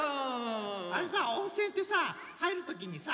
あのさ温泉ってさはいるときにさ